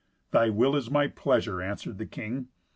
"Thy will is my pleasure," answered the king.